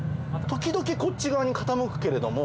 時々こっち側に傾くけれども。